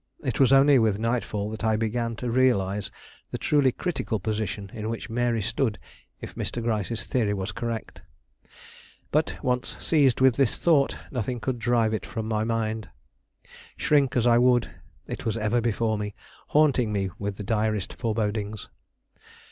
It was only with nightfall that I began to realize the truly critical position in which Mary stood if Mr. Gryce's theory was correct. But, once seized with this thought, nothing could drive it from my mind. Shrink as I would, it was ever before me, haunting me with the direst forebodings.